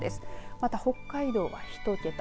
また北海道は１桁。